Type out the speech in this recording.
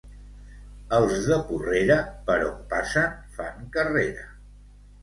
Els de Porrera, per on passen, fan carrera.